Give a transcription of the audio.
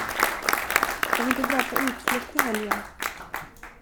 Ska vi inte dra på utflykt i helgen?